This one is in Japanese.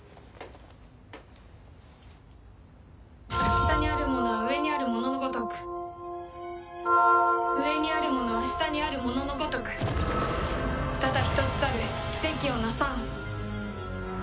下にあるものは上にあるもののごとく上にあるものは下にあるもののごとくただ一つたる奇跡をなさん。